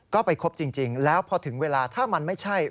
ก็ไปครบจริงแล้วพอถึงเวลาถ้ามันไม่ใช่